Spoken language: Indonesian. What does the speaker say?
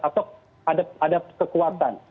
atau ada kekuatan